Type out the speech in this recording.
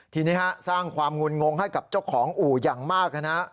ทีนี้สร้างความงุ่นงงให้กับเจ้าของอู่อย่างมากนะฮะ